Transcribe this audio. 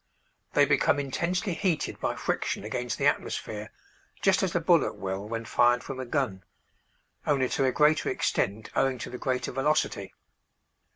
They become intensely heated by friction against the atmosphere just as a bullet will when fired from a gun only to a greater extent owing to the greater velocity.